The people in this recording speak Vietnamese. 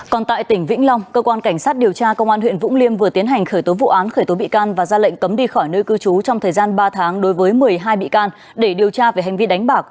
còn tại tỉnh vĩnh long cơ quan cảnh sát điều tra công an huyện vũng liêm vừa tiến hành khởi tố vụ án khởi tố bị can và ra lệnh cấm đi khỏi nơi cư trú trong thời gian ba tháng đối với một mươi hai bị can để điều tra về hành vi đánh bạc